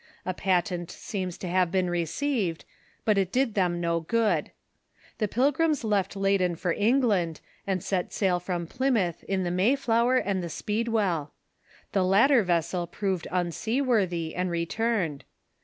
A patent seems to have been received, but it did them no good. The Pilgrims left Leyden for England, and set sail from Plymouth in the JSIayfloxcer and the ^peedicell. The latter vessel proved unseaworthy, and returned.